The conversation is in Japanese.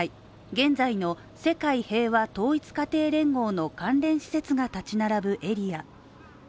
現在の世界平和統一家庭連合の関連施設が建ち並ぶエリア。